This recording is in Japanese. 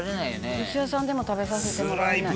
「お寿司屋さんでも食べさせてもらえない」